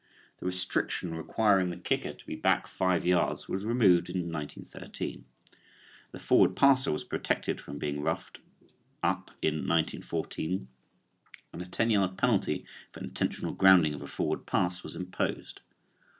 The restriction requiring the kicker to be back five yards was removed in 1913, the forward passer was protected from being roughed up in 1914 and a ten yard penalty for intentional grounding of a forward pass was imposed.